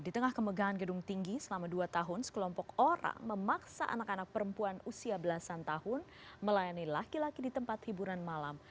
di tengah kemegahan gedung tinggi selama dua tahun sekelompok orang memaksa anak anak perempuan usia belasan tahun melayani laki laki di tempat hiburan malam